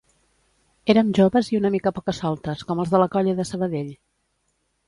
Érem joves i una mica pocasoltes com els de la Colla de Sabadell